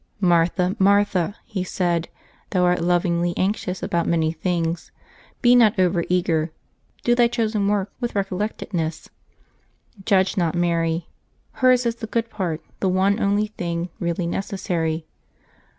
"Martha, Martha,'' He said, "thou art lor ingly anxious about many things; be not over eager; do thy chosen work with recollectedness. Judge not Mary. Hers is the good part, the one only thing really necessary.